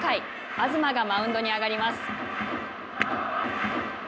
東がマウンドに上がります。